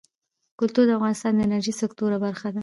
کلتور د افغانستان د انرژۍ سکتور برخه ده.